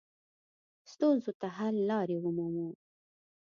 ستونزو ته حل لارې ومومو.